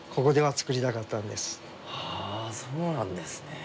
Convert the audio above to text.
あそうなんですね。